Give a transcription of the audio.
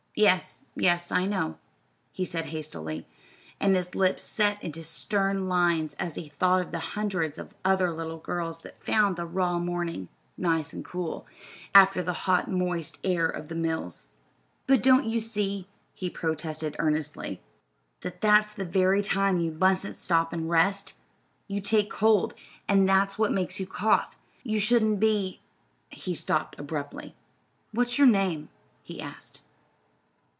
"Yes, yes, I know," he said hastily; and his lips set into stern lines as he thought of the hundreds of other little girls that found the raw morning "nice and cool" after the hot, moist air of the mills. "But don't you see," he protested earnestly, "that that's the very time you mustn't stop and rest? You take cold, and that's what makes you cough. You shouldn't be " he stopped abruptly. "What's your name?" he asked.